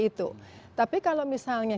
itu tapi kalau misalnya